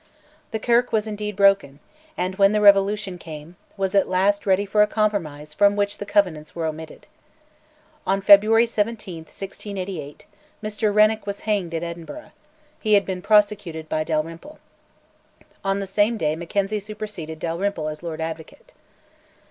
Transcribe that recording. The Kirk was indeed broken, and, when the Revolution came, was at last ready for a compromise from which the Covenants were omitted. On February 17, 1688, Mr Renwick was hanged at Edinburgh: he had been prosecuted by Dalrymple. On the same day Mackenzie superseded Dalrymple as Lord Advocate.